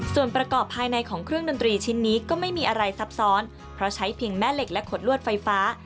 ส่วนประกอบภายในของเครื่องดนตรีชิ้นนี้ก็ไม่มีอะไรซับซ้อนเพราะใช้เพียงแม่เหล็กและขดลวดไฟฟ้า